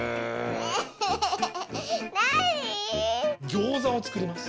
ギョーザをつくります。